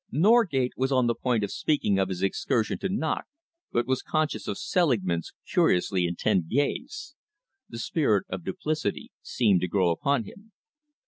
Norgate was on the point of speaking of his excursion to Knocke but was conscious of Selingman's curiously intent gaze. The spirit of duplicity seemed to grow upon him.